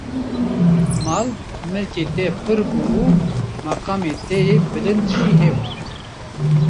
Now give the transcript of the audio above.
mal, milkê te pir bû û meqamê te yê bilind jî hebû.